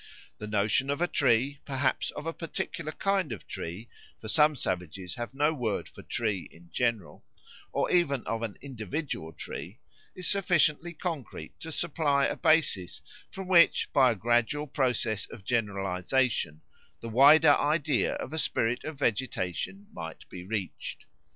The notion of a tree, perhaps of a particular kind of tree (for some savages have no word for tree in general), or even of an individual tree, is sufficiently concrete to supply a basis from which by a gradual process of generalisation the wider idea of a spirit of vegetation might be reached.